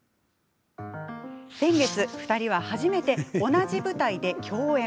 先月、２人は初めて同じ舞台で共演。